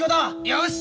よし！